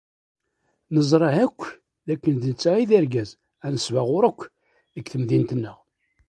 Neẓra akk dakken d netta ay d argaz anesbaɣur akk deg temdint-nteɣ.